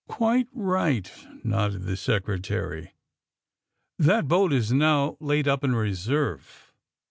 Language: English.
'^ Quite right, '' nodded the Secretary. ^* That boat is now laid up in reserve.